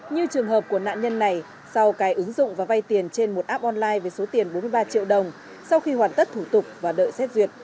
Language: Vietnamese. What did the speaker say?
như trường hợp của nạn nhân này sau cái ứng dụng và vay tiền trên một app online với số tiền bốn mươi ba triệu đồng sau khi hoàn tất thủ tục và đợi xét duyệt